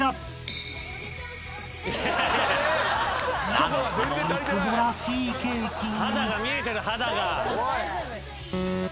［何ともみすぼらしいケーキに］